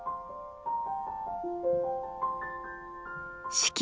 四季